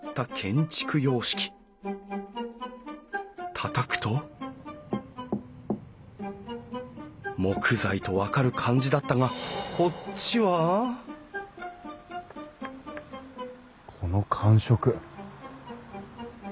たたくと木材と分かる感じだったがこっちはこの感触擬